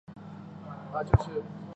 曾祖父章希明。